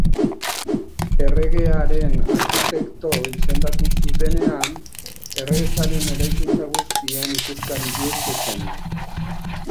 Erregearen arkitekto izendatu zutenean, erregetzaren eraikuntza guztien ikuskari bihurtu zen.